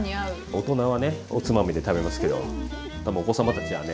大人はねおつまみで食べますけど多分お子様たちはね